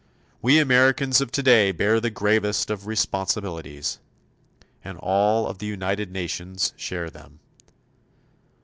We Americans of today bear the gravest of responsibilities. And all of the United Nations share them.